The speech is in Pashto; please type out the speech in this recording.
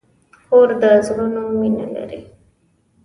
کور د زړونو مینه لري.